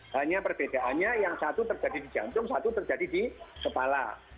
hanya perbedaannya yang satu terjadi di jantung satu terjadi di kepala